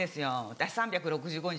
私３６５日